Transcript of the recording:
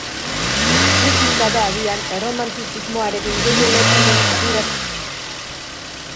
Musika da agian erromantizismoarekin gehien lotzen den adierazpen artistikoa